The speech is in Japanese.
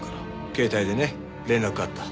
携帯でね連絡あった。